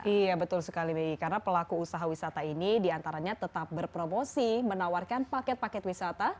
iya betul sekali mei karena pelaku usaha wisata ini diantaranya tetap berpromosi menawarkan paket paket wisata